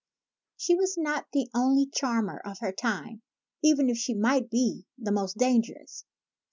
She was not the only charmer of her time, even if she might be the most dangerous.